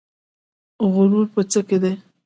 غرور په څه کې دی؟